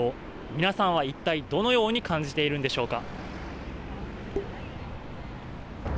皆さんは一体、どのように感じているんでしょうか。